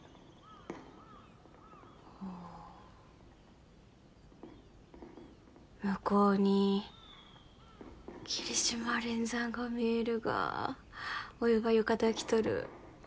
ほ向こうに霧島連山が見えるがおいは浴衣着とる